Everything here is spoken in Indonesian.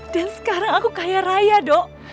dan sekarang aku kaya raya dok